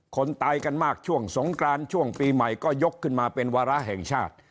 คนตายกันมากช่วงสงกรานช่วงปีใหม่ก็ยกขึ้นมาเป็นวาระแห่งชาติ